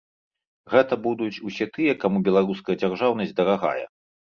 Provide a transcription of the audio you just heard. Гэта будуць усе тыя, каму беларуская дзяржаўнасць дарагая.